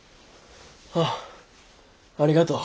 ああありがとう。